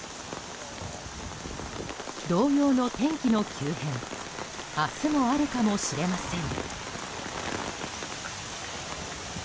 同様の天気の急変明日もあるかもしれません。